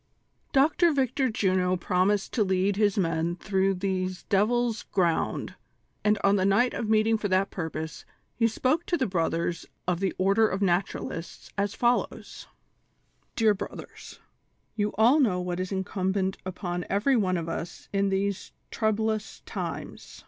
p. VICTOR JUNO promised to lead his men through these devils' ground, and on the night of meeting for that purpose, he spoke to the brothers of the " Order of Naturalists," as follows : "Dear Brothers :— You all know what is incumbent upon every one of us in these troublous times.